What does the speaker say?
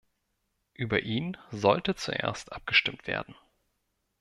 Über ihn sollte zuerst abgestimmt werden.